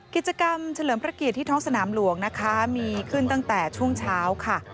กิจกรรมเฉลิมพระเกียรติที่ท้องสนามหลวงนะคะมีขึ้นตั้งแต่ช่วงเช้าค่ะ